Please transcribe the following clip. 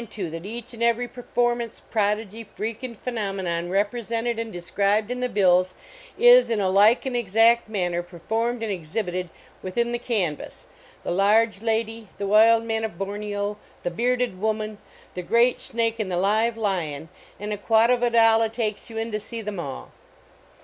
too, that each and every performance, prodigy, freak, and phenomenon represented ami tic scribed in the bills 1^ in a like and exact man ner performed and exhibited within the can vas the large lady, the wild man of Borneo. THE OLD ROAD SHOW the bearded woman, the great snake and the live lion and a quatovadollah takes you in to see them all